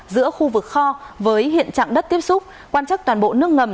giữa khu vực kho với hiện trạng đất tiếp xúc quan chắc toàn bộ nước ngầm